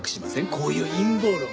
こういう陰謀論。